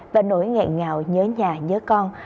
và nỗi nghẹn ngào nhớ nhà nhớ con